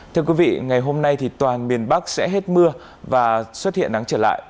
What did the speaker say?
thưa quý vị ngày hôm nay thì toàn miền bắc sẽ hết mưa và xuất hiện nắng trở lại